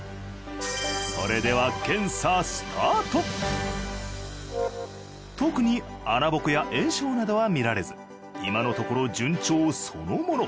それでは特に穴ボコや炎症などは見られず今のところ順調そのもの。